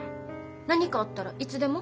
何かあったらいつでも。